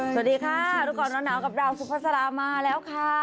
สวัสดีค่ะรู้ก่อนร้อนหนาวกับดาวสุภาษามาแล้วค่ะ